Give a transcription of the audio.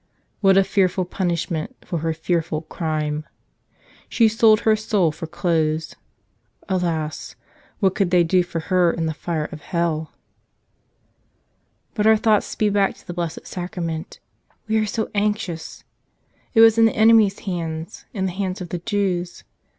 What a fearful punishment for her fearful crime! She sold her soul for clothes. Alas! what could they do for her in the fire of hell? But our thoughts speed back to the Blessed Sacra¬ ment : we are so anxious ! It was in the enemies' hands, in the hands of the Jews.